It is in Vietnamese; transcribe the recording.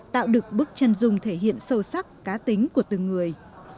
tạo được bức chân dung thể hiện sâu sắc cá tính của từng người